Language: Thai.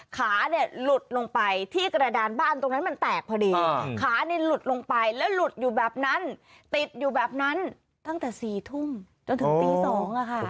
ขาเนี่ยหลุดลงไปที่กระดานบ้านตรงนั้นมันแตกพอดีขานี่หลุดลงไปแล้วหลุดอยู่แบบนั้นติดอยู่แบบนั้นตั้งแต่๔ทุ่มจนถึงตี๒ค่ะ